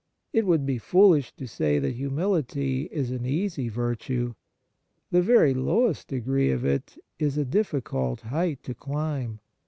It would be foolish to say that humility is an easy virtue. The very lowest degree of it is a difficult height to climb.